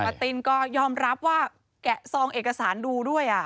ตินก็ยอมรับว่าแกะซองเอกสารดูด้วย